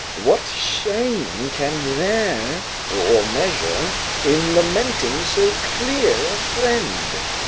["What shame can there, or measure, in lamenting so dear a friend?"